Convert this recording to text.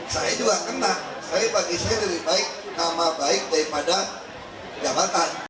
saya juga kena saya bagi saya lebih baik nama baik daripada jabatan